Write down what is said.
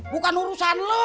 bukan urusan lo